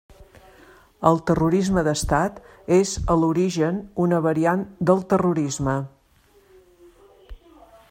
El terrorisme d'Estat és a l'origen una variant del terrorisme.